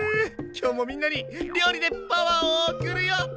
今日もみんなに料理でパワーを送るよ！